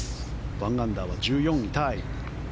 １アンダーは１４位タイ。